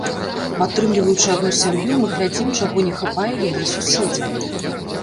Падтрымліваючы адну сям'ю, мы глядзім, чаго не хапае яе суседзям.